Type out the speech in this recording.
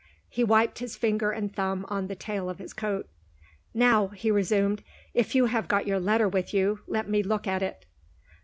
He wiped his finger and thumb on the tail of his coat. "Now," he resumed, "if you have got your letter with you, let me look at it."